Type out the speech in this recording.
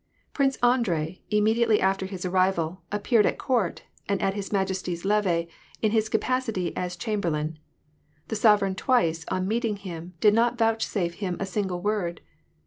Prince Andrei, immediately after his arrival, appeared at court, and at his majesty's levee, in his capacity as chamber lain. The sovereign twice, on meeting him, did not vouchsafe him a single word.